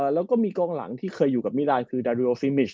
แล้วก็มีกองหลังที่เคยอยู่กับมิรานคือดาริโอซิมิช